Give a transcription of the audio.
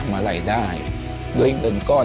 หนูอยากให้พ่อกับแม่หายเหนื่อยครับ